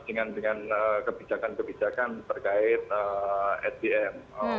dengan kebijakan kebijakan terkait sdm